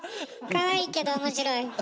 かわいいけど面白い。